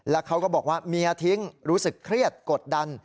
แล้วเขาก็บอกว่าเมียทิ้งรู้สึกเครียดกดดัน